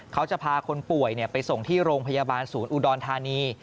เขาจะพาคนป่วยไปส่งที่โรงพยาบาลศูนย์อุดรธานี